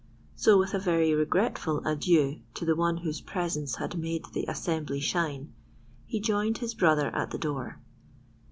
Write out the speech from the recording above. So, with a very regretful adieu to the one whose presence had "made the assembly shine," he joined his brother at the door.